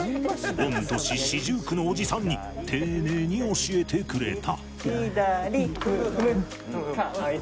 御年四十九のおじさんに丁寧に教えてくれた。